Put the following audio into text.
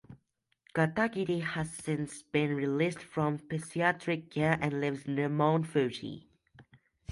Katagiri has since been released from psychiatric care and lives near Mount Fuji.